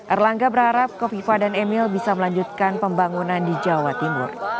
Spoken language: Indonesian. erlangga berharap kofifa dan emil bisa melanjutkan pembangunan di jawa timur